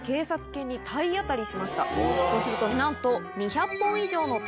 そうするとなんと。